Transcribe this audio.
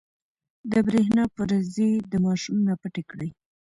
برېښنا پريزې د ماشوم نه پټې کړئ.